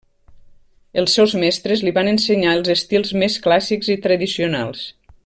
Els seus mestres li van ensenyar els estils més clàssics i tradicionals.